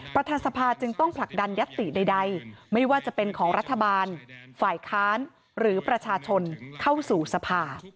ประธานสภาจึงต้องผลักดันยัตติใดไม่ว่าจะเป็นของรัฐบาลฝ่ายค้านหรือประชาชนเข้าสู่สภา